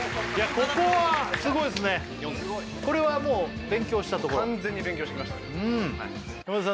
ここはすごいですねこれはもう勉強したところ完全に勉強しました山田さん